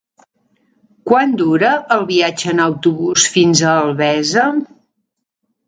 Quant dura el viatge en autobús fins a Albesa?